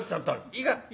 いいか？